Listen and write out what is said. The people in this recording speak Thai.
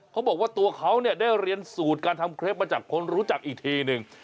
เขาบอกว่าตัวเขาเนี่ยได้เรียนสูตรการทำเคล็ปมาจากคนรู้จักอีกทีหนึ่ง